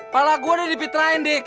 pala gua udah dipitrain dik